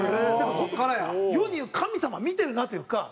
だから本当世に言う神様見てるなというか。